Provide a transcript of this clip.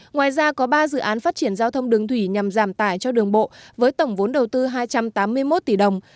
ngoài ra có ba dự án phát triển giao thông đường thủy nhằm giảm tải cho đường bộ với tổng vốn đầu tư hai trăm tám mươi một tỷ đồng